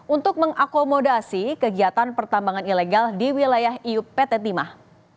untuk mengakomodasi kegiatan pertambangan ilegal di wilayah iupt timah